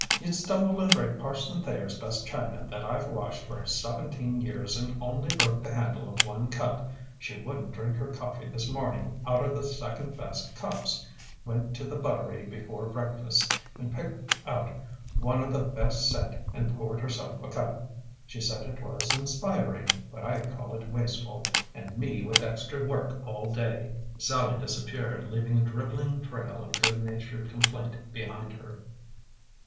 "You'd stumble and break Parson Thayer's best china that I've washed for seventeen years and only broke the handle of one cup. She wouldn't drink her coffee this morning outer the second best cups; went to the buttery before breakfast and picked out wunner the best set, and poured herself a cup. She said it was inspiring, but I call it wasteful and me with extra work all day!" Sallie disappeared, leaving a dribbling trail of good natured complaint behind her.